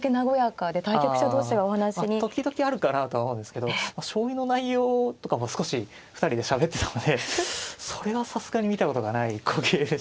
時々あるかなとは思うんですけど将棋の内容とかも少し２人でしゃべってたのでそれはさすがに見たことがない光景でしたね。